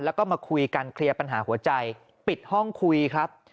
แล้วก็มาคุยกันเคลียร์ปัญหาหัวใจปิดห้องคุยครับ